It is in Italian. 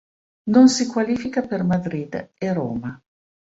Non si qualifica per Madrid e Roma.